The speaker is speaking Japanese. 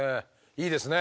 いいですね。